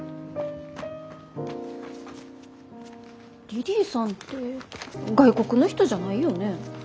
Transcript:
リリィさんって外国の人じゃないよね？